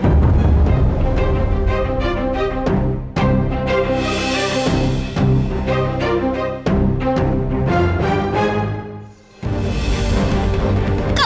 kau naik tegan